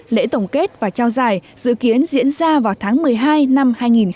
lễ tổng kết và trao giải dự kiến diễn ra vào tháng một mươi hai năm hai nghìn một mươi chín